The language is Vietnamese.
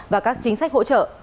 và các chính sách hỗ trợ